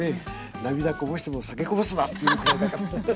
涙こぼしても酒こぼすなっていうくらいだから。